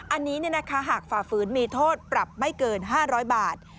อันนี้หากฝ่าฝืนมีโทษปรับไม่เกิน๕๐๐บาท